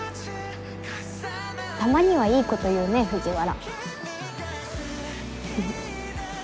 たまにはいいこと言うね藤原。